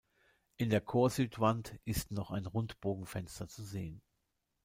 In der Chorsüdwand ist noch ein Rundbogenfenster zu sehen.